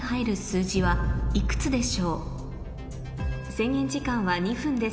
制限時間は２分です